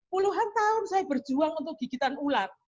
puluhan tahun saya berjuang untuk gigitan ular